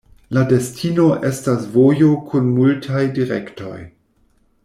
La destino estas vojo kun multaj direktoj.